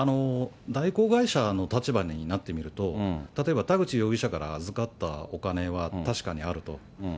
代行会社の立場になってみると、例えば田口容疑者から預かったお金は確かにあると。